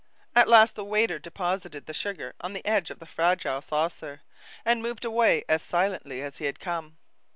At last the waiter deposited the sugar on the edge of the fragile saucer, and moved away as silently as he had come.